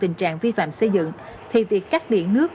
tình trạng vi phạm xây dựng thì việc cắt điện nước